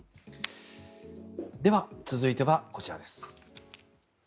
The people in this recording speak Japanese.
では続いてはこちらです。